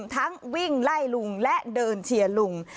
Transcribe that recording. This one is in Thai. ทั้งวิ่งไล่ลุงและเดินเชียร์ลุง